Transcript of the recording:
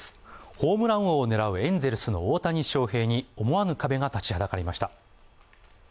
ホームラン王を狙うエンゼルスの大谷翔平に思わぬ壁が立ちはだかりました。